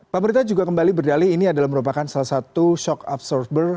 pak merita juga kembali berdalih ini adalah merupakan salah satu shock absorber